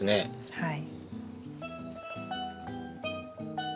はい。